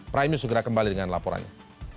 prime news segera kembali dengan laporannya